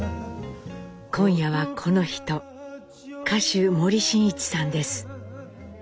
今夜はこの人歌手森進一さんです。